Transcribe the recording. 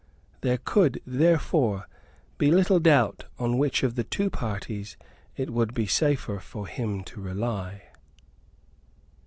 There could, therefore, be little doubt on which of the two parties it would be safer for him to rely.